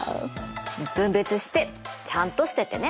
分別してちゃんと捨ててね。